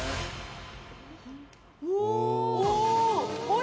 お！